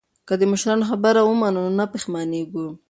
که د مشرانو خبره ومنو نو نه پښیمانیږو.